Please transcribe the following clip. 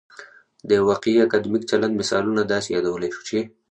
د یو واقعي اکادمیک چلند مثالونه داسې يادولای شو چې